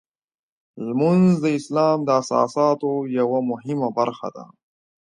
لمونځ د اسلام د اساساتو یوه مهمه برخه ده.